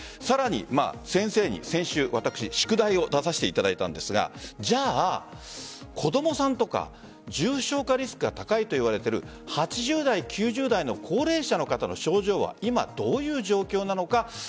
さらに先生に先週私、宿題を出させていただいたんですが子供さんとか重症化リスクが高いといわれている８０代、９０代の高齢者の方の症状は今、どういう状況なのか。